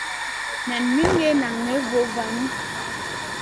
Nan min gue nan ney vovanu.